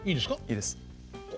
いいです。